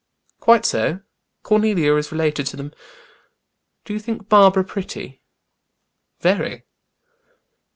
"Quite so. Cornelia is related to them." "Do you think Barbara pretty?" "Very."